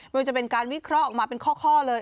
ว่าจะเป็นการวิเคราะห์ออกมาเป็นข้อเลย